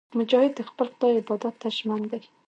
مجاهد د خپل خدای عبادت ته ژمن وي.